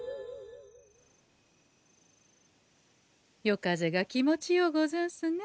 夜風が気持ちようござんすね。